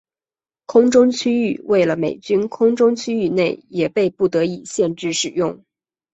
空中区域为了美军空中区域内也被不得已限制使用。